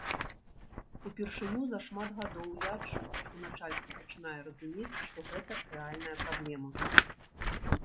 Упершыню за шмат гадоў я адчуў, што начальства пачынае разумець, што гэта рэальная праблема.